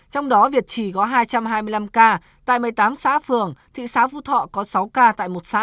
trong đó việt trì có hai trăm hai mươi năm ca tại một mươi tám xã phường thị xã phú thọ có sáu ca tại một xã